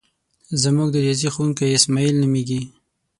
زمونږ د ریاضی ښوونکی اسماعیل نومیږي.